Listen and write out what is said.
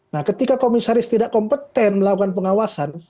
nah ketika komisaris tidak kompeten melakukan pengawasan